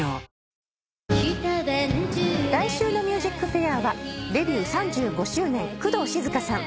来週の『ＭＵＳＩＣＦＡＩＲ』はデビュー３５周年工藤静香さん